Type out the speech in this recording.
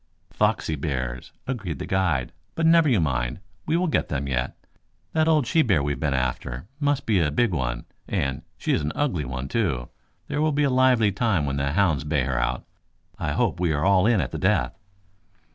"Foxy bears," agreed the guide. "But never you mind. We will get them yet. That old she hear we have been after must be a big one, and she is an ugly one, too. There will be a lively time when the hounds bay her out. I hope we are all in at the death."